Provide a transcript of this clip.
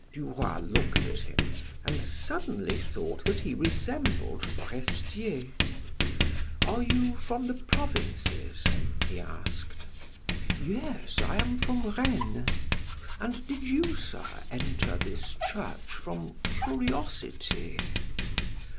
Du Roy looked at him and suddenly thought that he resembled Forestier. "Are you from the provinces?" he asked. "Yes, I am from Rennes. And did you, sir, enter this church from curiosity?"